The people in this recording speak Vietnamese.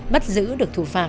bắt giữ được thủ phạm